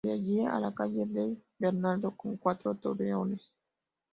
De allí a la calle D. Bernardo, con cuatro torreones.